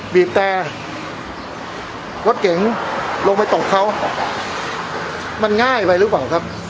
บีบแต่รถเก๋งลงไปตกเขามันง่ายไปหรือเปล่าครับ